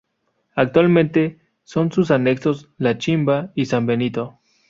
Actualmente son sus anexos: La Chimba y San Benito.